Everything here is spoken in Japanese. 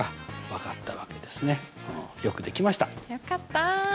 よかった！